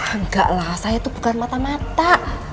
enggak lah saya itu bukan mata mata